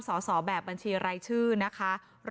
สอบแบบบัญชีรายชื่อนะคะ